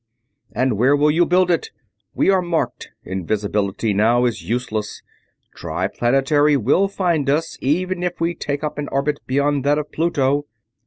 "And where will you build it? We are marked. Invisibility now is useless. Triplanetary will find us, even if we take up an orbit beyond that of Pluto!"